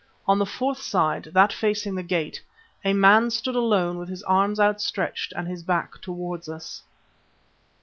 On the fourth side, that facing the gate, a man stood alone with his arms outstretched and his back towards us.